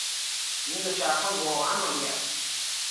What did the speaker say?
این دوچرخه واقعا عالی است.